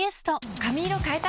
髪色変えた？